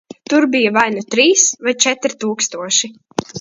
Tur bija vai nu trīs, vai seši tūkstoši.